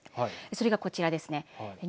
それが、こちらですね。